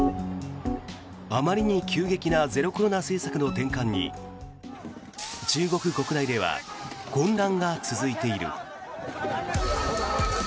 あまりに急激なゼロコロナ政策の転換に中国国内では混乱が続いている。